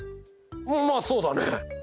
まあそうだね。